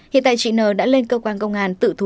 hiện tại chị n đã lên cơ quan công an tự thú